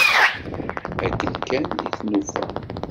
Akken kan i t-nufa.